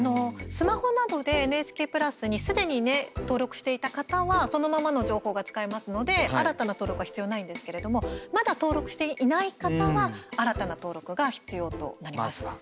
スマホなどでＮＨＫプラスにすでに登録していた方はそのままの情報が使えますので新たな登録は必要ないんですけれどもまだ登録していない方は新たな登録が必要となります。